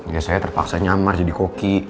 ya saya terpaksa nyamar jadi koki